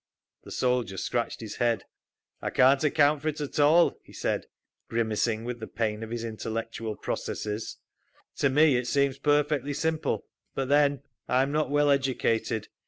The soldier scratched his head. "I can't account for it at all," he said, grimacing with the pain of his intellectual processes. "To me it seems perfectly simple—but then, I'm not well educated.